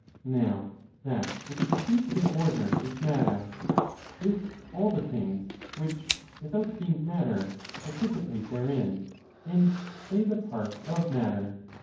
Now that which receives the order is matter, with all the things which, without being matter, participate therein, and play the part of matter.